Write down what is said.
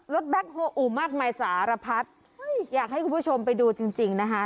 แบ็คโฮอูมากมายสารพัดอยากให้คุณผู้ชมไปดูจริงจริงนะคะ